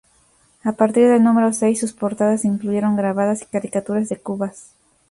A partir del número seis, sus portadas incluyeron grabados y caricaturas de Cubas.